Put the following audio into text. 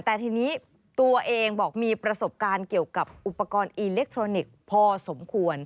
แต่ทีนี้ตัวเองบอกมีประสบการณ์เกี่ยวกับอุปกรณ์อิเล็กทรอนิกส์พอสมควร